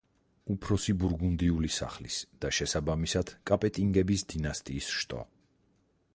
უფროსი ბურგუნდიული სახლის და, შესაბამისად კაპეტინგების დინასტიის შტო.